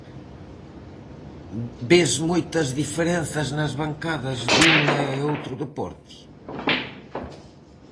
Ves moitas diferenzas nas bancadas dun e outro deporte?